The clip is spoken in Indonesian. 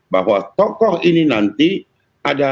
bahwa tokoh ini nanti ada